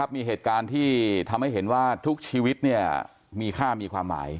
มีเหตุการณ์ที่ทำให้เห็นว่าทุกชีวิตมีค่ามีความหมาย